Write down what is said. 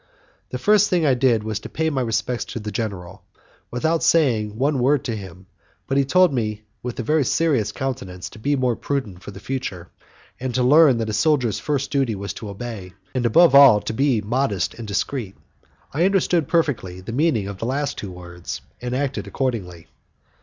The first thing I did was to pay my respects to the general, without saying one word to him, but he told me with a serious countenance to be more prudent for the future, and to learn that a soldier's first duty was to obey, and above all to be modest and discreet. I understood perfectly the meaning of the two last words, and acted accordingly.